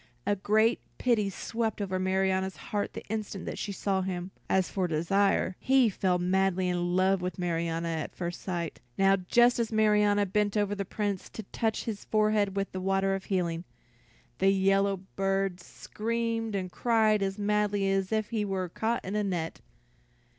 A great pity swept over Marianna's heart the instant she saw him; as for Desire, he fell madly in love with Marianna at first sight. Now just as Marianna bent over the Prince to touch his forehead with the water of healing, the yellow bird screamed and cried as madly as if he were caught in a net.